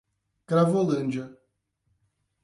Cravolândia